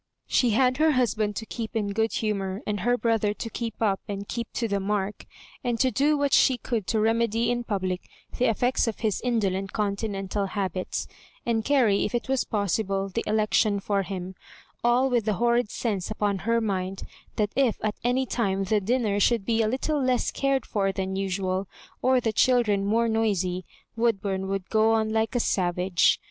She had her hus band to keep in good humour, and her brother to keep up and keep to the mark, and to do what she could to remedy in public the effects of his mdolent Continental habits, and carry, if it was possible, the election for him — ^all with the horrid sense upon her mind that if at any time the dinner should be a little less cared for than usual, or the children more noisy, Woodbum would go on like a savage.